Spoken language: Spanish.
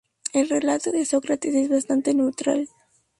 El relato de Sócrates es bastante neutral.